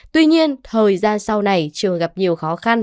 tuy nhiên thời gian sau này trường gặp nhiều khó khăn